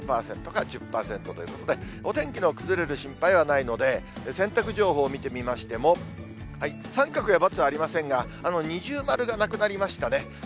０％から１０％ということで、お天気の崩れる心配はないので、洗濯情報を見てみましても、三角やバツはありませんが、二重丸がなくなりましたね。